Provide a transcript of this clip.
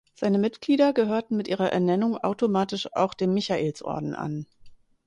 Seine Mitglieder gehörten mit ihrer Ernennung automatisch auch dem Michaelsorden an.